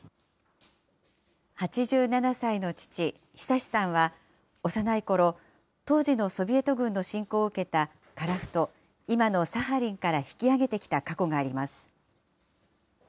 ８７歳の父、恒さんは、幼いころ、当時のソビエト軍の侵攻を受けた樺太、今のサハリンから引き揚げてきた過去があります。